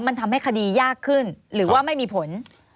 มันทำให้คดียากขึ้นหรือว่าไม่มีผล